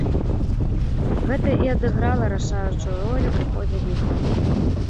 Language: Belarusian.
Гэта і адыграла рашаючую ролю ў ходзе бітвы.